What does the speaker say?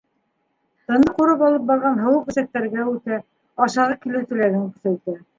Тынды ҡурып алып барған һыуыҡ эсәктәргә үтә, ашағы килеү теләген көсәйтә.